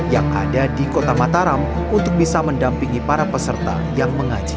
yang ada di kota mataram untuk bisa mendampingi para peserta yang mengaji